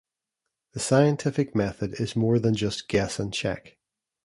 The scientific method is more than just guess-and-check.